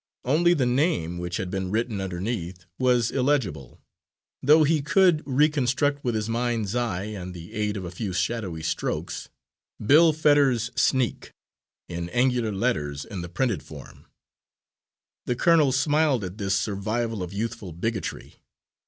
Only the name, which had been written underneath, was illegible, though he could reconstruct with his mind's eye and the aid of a few shadowy strokes "Bill Fetters, Sneak" in angular letters in the printed form. The colonel smiled at this survival of youthful bigotry.